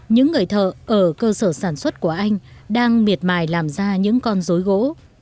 những người thợ ở cơ sở sản xuất của anh đang miệt mài làm ra những con dối gỗ